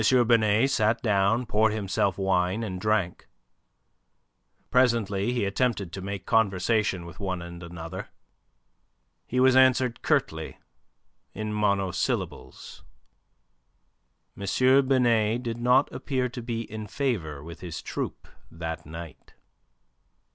Binet sat down, poured himself wine, and drank. Presently he attempted to make conversation with one and another. He was answered curtly, in monosyllables. M. Binet did not appear to be in favour with his troupe that night.